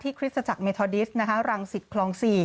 ที่คริสต์จักรเมทอดิสต์รังสิทธิ์คลอง๔